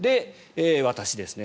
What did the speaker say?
私ですね。